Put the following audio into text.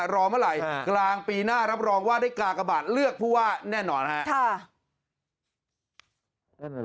รอเมื่อไหร่กลางปีหน้ารับรองว่าได้กากบาทเลือกผู้ว่าแน่นอนครับ